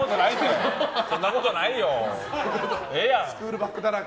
そんなことないよ。